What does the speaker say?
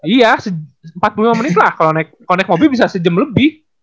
iya empat puluh lima menit lah kalau naik mobil bisa sejam lebih